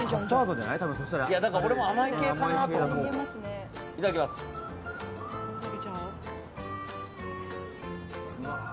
だから俺も甘い系かなと思って。